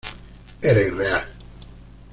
Era irreal.